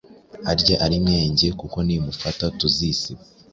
Arye ari menge kuko nimufata tuzisiba